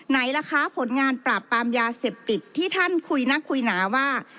ไหนล่ะคะผลงานปราบปรามยาเสพติดที่ท่านคุยนักคุยหนาว่า